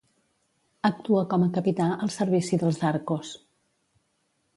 Actua com a capità al servici dels d'Arcos.